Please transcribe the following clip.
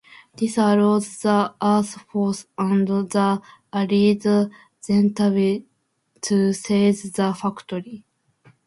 This allows the Earth forces and the allied Zentradi to seize the factory.